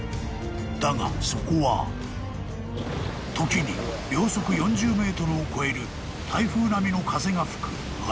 ［だがそこは時に秒速４０メートルを超える台風並みの風が吹く荒れた海］